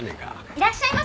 いらっしゃいませ！